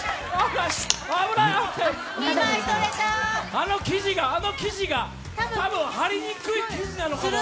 あの生地が、あの生地が、多分貼りにくい生地なのかも分からない。